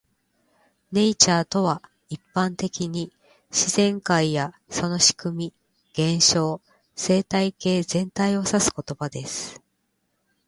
"Nature" とは、一般的に自然界やその仕組み、現象、生態系全体を指す言葉です。